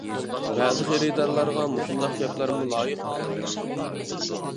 بەزى خېرىدارلارغا مۇشۇنداق گەپلەرمۇ لايىق بەزىدە.